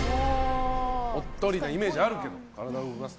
おっとりなイメージあるけど。